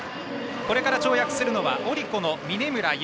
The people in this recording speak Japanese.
これから跳躍するのはオリコの嶺村優。